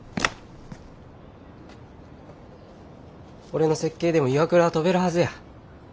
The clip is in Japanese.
俺の設計でも岩倉は飛べるはずや。